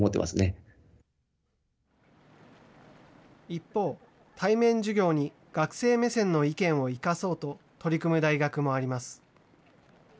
一方、対面授業に学生目線の意見を生かそうと取り組む大学もあります。